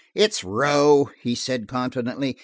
"It's Rowe," he said confidently.